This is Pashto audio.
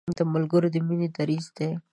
ملګری د مینې دریځ دی